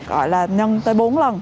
gọi là nhân tới bốn lần